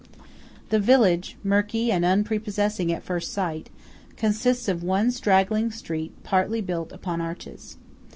The village, murky and unprepossessing at first sight, consists of one straggling street partly built upon arches.